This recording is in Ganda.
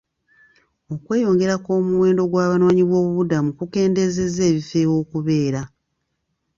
Okweyongera kw'omuwendo gw'abanoonyiboobubudamu kukendeezezza ebifo ew'okubeera.